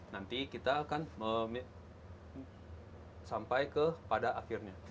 nanti kita akan sampai ke pada akhirnya